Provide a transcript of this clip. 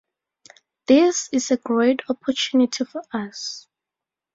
This is a great opportunity for us.